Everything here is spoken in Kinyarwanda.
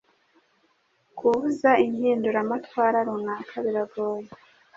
Kubuza impinduramatwara runaka biragoye